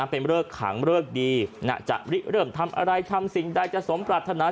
เป็นเริกขังเริกดีจะเริ่มทำอะไรทำสิ่งใดจะสมปรารถนา